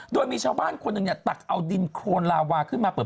โดยมีชาวบ้านคนหนึ่งเนี่ยตักเอาดินโครนลาวาขึ้นมาเปิด